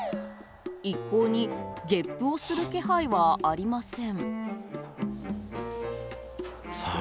一向にげっぷをする気配はありません。